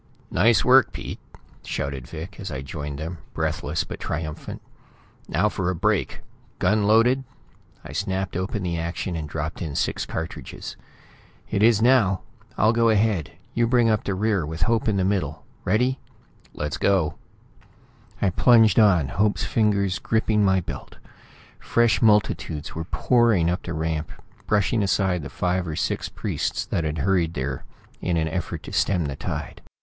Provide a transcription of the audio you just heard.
"Nice work, Pete!" shouted Vic, as I joined them, breathless but triumphant. "Now for a break! Gun loaded?" I snapped open the action and dropped in six cartridges. "It is now. I'll go ahead; you bring up the rear with Hope in the middle. Ready?" "Let's go!" I plunged on, Hope's fingers gripping my belt. Fresh multitudes were pouring up the ramp, brushing aside the five or six priests that had hurried there in an effort to stem the tide.